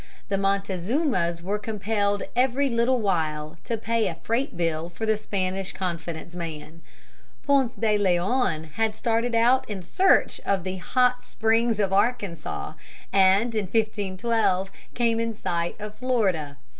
The Montezumas were compelled every little while to pay a freight bill for the Spanish confidence man. Ponce de Leon had started out in search of the Hot Springs of Arkansas, and in 1512 came in sight of Florida.